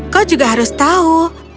kau juga harus tahu